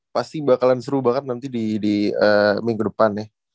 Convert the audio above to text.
pasti bakalan seru banget nanti di minggu depan ya